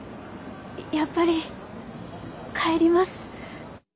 やっぱり帰ります。